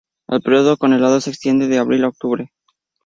El período con heladas se extiende de abril a octubre.